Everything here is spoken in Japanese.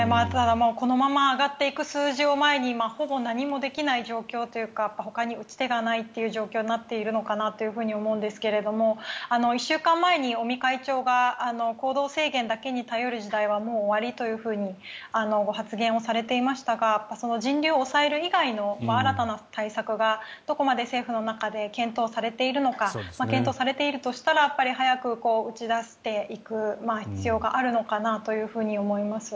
このまま上がっていく数字を前に今、ほぼ何もできない状況というかほかに打ち手がないという状況になっているのかなと思っているんですけど１週間前に尾身会長が行動制限だけに頼る時代はもう終わりというふうにご発言をされていましたがその人流を抑える以外の新たな対策がどこまで政府の中で検討されているのか検討されているとしたら早く打ち出していく必要があるのかなと思います。